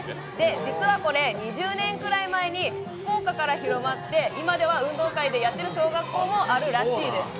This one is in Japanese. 実はこれ、２０年くらい前に福岡から広まって、今では運動会でやってる小学校もあるらしいです。